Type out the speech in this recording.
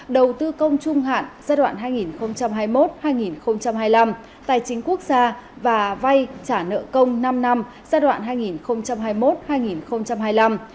đầu tư công trung hạn giai đoạn hai nghìn hai mươi một hai nghìn hai mươi năm tài chính quốc gia và vay trả nợ công năm năm giai đoạn hai nghìn hai mươi một hai nghìn hai mươi năm